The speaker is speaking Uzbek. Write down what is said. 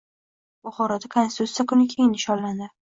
Buxoroda Konstitutsiya kuni keng nishonlandi